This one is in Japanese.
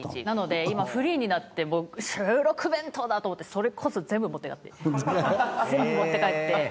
なので今フリーになってもう「収録弁当だ！」と思ってそれこそ全部持って帰って。